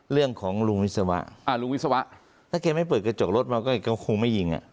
เรื่องของลุงวิศวะถ้าแกไม่เปิดกระจกรถมาก็คงไม่ยิง